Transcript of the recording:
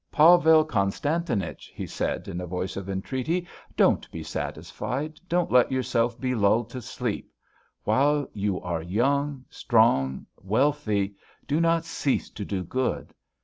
"Pavel Konstantinich," he said in a voice of entreaty, "don't be satisfied, don't let yourself be lulled to sleep! While you are young, strong, wealthy, do not cease to do good!